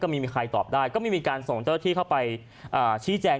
ไม่มีใครตอบได้ก็ไม่มีการส่งเจ้าที่เข้าไปชี้แจง